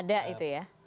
ada itu ya